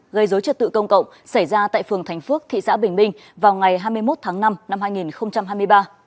gây dối trật tự công cộng xảy ra tại phường thành phước thị xã bình minh vào ngày hai mươi một tháng năm năm hai nghìn hai mươi ba